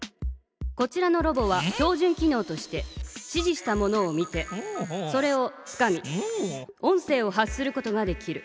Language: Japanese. こちらのロボは標じゅん機のうとして指じしたものを見てそれをつかみ音声を発することができる。